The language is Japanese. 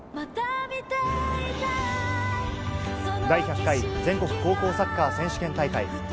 第１００回全国高校サッカー選手権大会。